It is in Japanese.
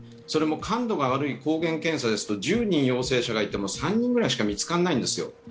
それも感度が悪い抗原検査ですと、１０人陽性者がいても３人ぐらいしか見つからないんですよ。